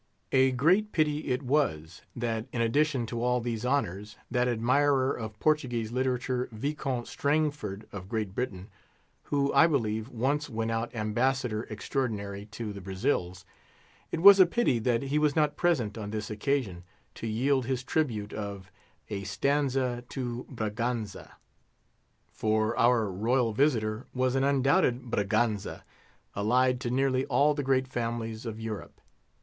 A great pity it was, that in addition to all these honours, that admirer of Portuguese literature, Viscount Strangford, of Great Britain—who, I believe, once went out Ambassador Extraordinary to the Brazils—it was a pity that he was not present on this occasion, to yield his tribute of "A Stanza to Braganza!" For our royal visitor was an undoubted Braganza, allied to nearly all the great families of Europe.